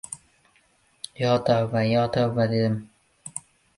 — Yo tavba, yo tavba! — dedim.